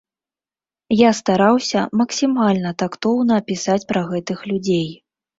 Я стараўся максімальна тактоўна пісаць пра гэтых людзей.